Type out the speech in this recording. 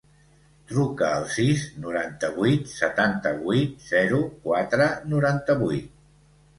Truca al sis, noranta-vuit, setanta-vuit, zero, quatre, noranta-vuit.